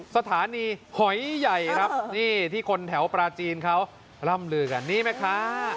สถานีหอยใหญ่ครับนี่ที่คนแถวปลาจีนเขาร่ำลือกันนี่ไหมคะ